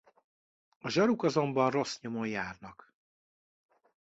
A zsaruk azonban rossz nyomon járnak.